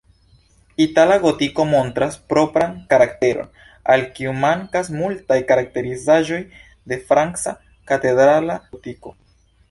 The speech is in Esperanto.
Itala gotiko montras propran karakteron, al kiu mankas multaj karakterizaĵoj de franca katedrala gotiko.